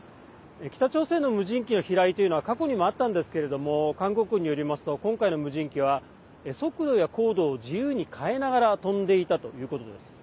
北朝鮮の無人機の飛来というのは過去にもあったんですけれども韓国軍によりますと今回の無人機は速度や高度を自由に変えながら飛んでいたということです。